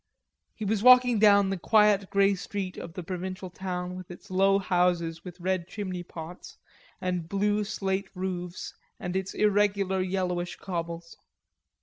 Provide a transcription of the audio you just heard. He was walking down the quiet grey street of the provincial town, with its low houses with red chimney pots, and blue slate roofs and its irregular yellowish cobbles.